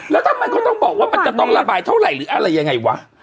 แล้วทำไมเขาต้องบอกว่ามันจะต้องระบายเท่าไหร่หรืออะไรยังไงวะ